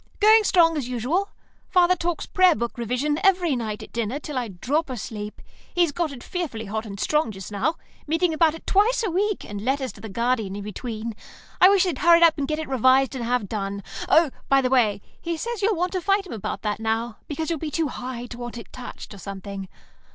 "Going strong, as usual. Father talks Prayer Book revision every night at dinner till I drop asleep. He's got it fearfully hot and strong just now; meetings about it twice a week, and letters to the Guardian in between. I wish they'd hurry up and get it revised and have done. Oh, by the way, he says you'll want to fight him about that now because you'll be too High to want it touched, or something.